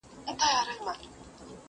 د جنګ د سولي د سیالیو وطن؛